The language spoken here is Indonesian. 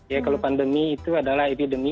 ya kalau pandemi itu adalah epidemi